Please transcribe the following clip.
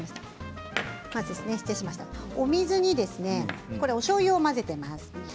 お水におしょうゆを混ぜていきます。